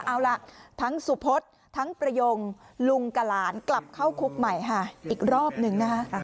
เอาล่ะทั้งสุพศทั้งประยงลุงกับหลานกลับเข้าคุกใหม่ค่ะอีกรอบหนึ่งนะคะ